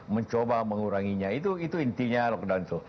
mencoba menguranginya itu intinya lockdown show